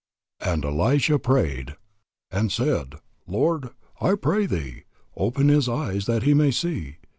"And Elisha prayed, and said, Lord, I pray thee, open his eyes, that he may see.